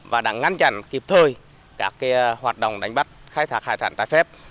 và đã ngăn chặn kịp thời các hoạt động đánh bắt khai thác hải sản trái phép